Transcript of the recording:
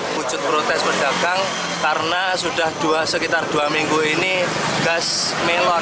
wujud protes pedagang karena sudah sekitar dua minggu ini gas melon